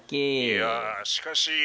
「いやしかし」。